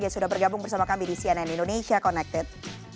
sudah bergabung bersama kami di cnn indonesia connected